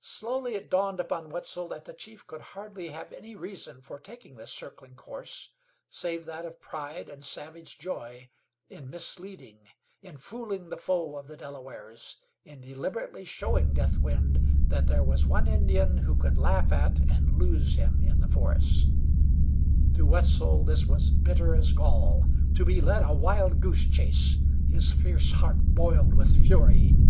Slowly it dawned upon Wetzel that the chief could hardly have any reason for taking this circling course save that of pride and savage joy in misleading, in fooling the foe of the Delawares, in deliberately showing Deathwind that there was one Indian who could laugh at and loose him in the forests. To Wetzel this was bitter as gall. To be led a wild goose chase! His fierce heart boiled with fury.